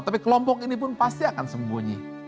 tapi kelompok ini pun pasti akan sembunyi